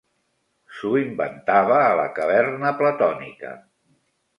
S'ho inventava a la caverna platònica.